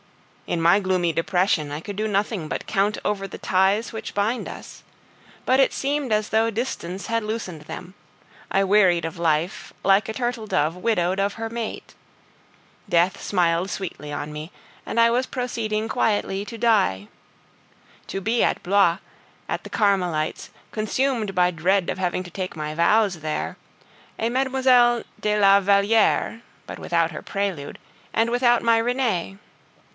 In my gloomy depression, I could do nothing but count over the ties which bind us. But it seemed as though distance had loosened them; I wearied of life, like a turtle dove widowed of her mate. Death smiled sweetly on me, and I was proceeding quietly to die. To be at Blois, at the Carmelites, consumed by dread of having to take my vows there, a Mlle. de la Valliere, but without her prelude, and without my Renee!